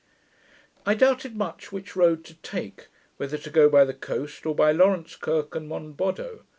I doubted much which road to take, whether to go by the coast, or by Lawrence Kirk and Monboddo.